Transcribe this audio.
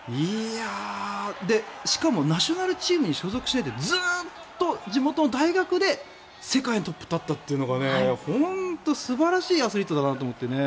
で、しかもナショナルチームに所属しないでずっと地元の大学で世界のトップに立ったというのが本当に素晴らしいアスリートだなと思ってね。